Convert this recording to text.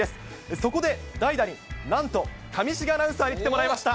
そこで代打に、なんと上重アナウンサーに来てもらいました。